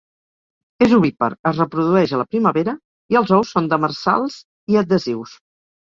És ovípar, es reprodueix a la primavera i els ous són demersals i adhesius.